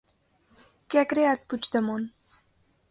Què ha creat Puigdemont?